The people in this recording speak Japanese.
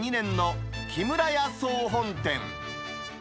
創業明治２年の木村屋総本店。